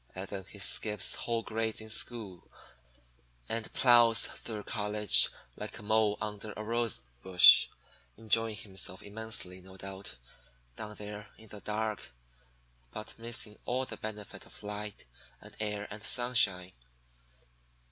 Then he skips whole grades in school and plows through college like a mole under a rose bush, enjoying himself immensely, no doubt, down there in the dark, but missing all the benefit of the light and air and sunshine.